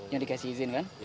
yang dikasih izin